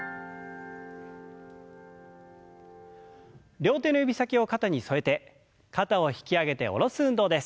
両手の指先を肩に添えて肩を引き上げて下ろす運動です。